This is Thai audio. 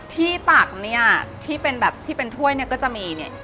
ตักเนี่ยที่เป็นแบบที่เป็นถ้วยเนี่ยก็จะมีเนี่ย